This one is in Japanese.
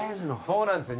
そうなんですよ